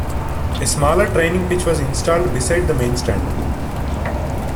A smaller training pitch was installed beside the main stand.